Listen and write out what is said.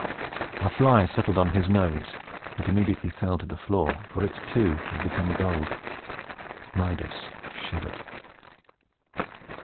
A fly settled on his nose, but immediately fell to the floor; for it, too, had become gold. Midas shuddered.